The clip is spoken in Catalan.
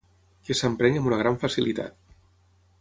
Que s'emprenya amb una gran facilitat.